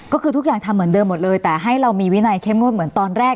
ก็คือทุกอย่างทำเหมือนเดิมหมดเลยแต่ให้เรามีวินัยเข้มงวดเหมือนตอนแรก